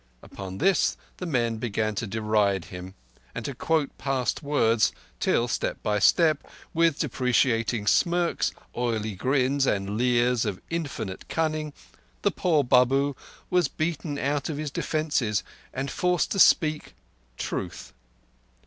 Upon this the men began to deride him and to quote past words, till step by step, with deprecating smirks, oily grins, and leers of infinite cunning, the poor Babu was beaten out of his defences and forced to speak—truth.